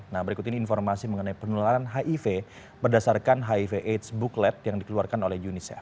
nah berikut ini informasi mengenai penularan hiv berdasarkan hiv aids booklet yang dikeluarkan oleh unicef